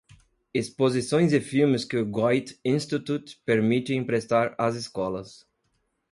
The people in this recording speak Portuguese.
Exposições e filmes que o Goethe-Institut permite emprestar às escolas.